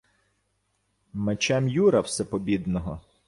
— Мечем Юра Всепобідного...